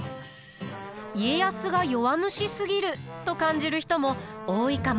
家康が弱虫すぎると感じる人も多いかもしれません。